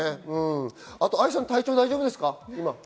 愛さんは体調は大丈夫ですか？